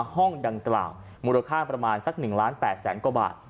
ห้องดังกล่าวมูลค่าประมาณ๑ล้าน๘๐๐ศักดิ์กว่าบาท